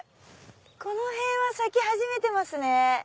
この辺は咲き始めてますね。